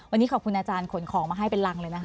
วันนี้ขอบคุณอาจารย์ขนของมาให้เป็นรังเลยนะคะ